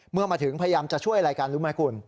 เมื่อมาถึงพยายามจะช่วยอะไรกันรู้ไหมคุณ